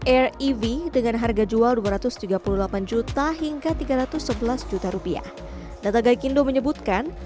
air ev dengan harga jual dua ratus tiga puluh delapan juta hingga tiga ratus sebelas juta rupiah data gaikindo menyebutkan